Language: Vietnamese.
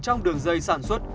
trong đường dây sản xuất